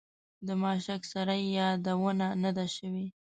د ماشک سرای یادونه نه ده شوې.